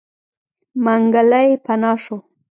منګلی پناه شو.